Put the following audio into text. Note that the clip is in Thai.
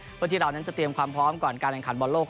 เพื่อที่เรานั้นจะเตรียมความพร้อมก่อนการแข่งขันบอลโลก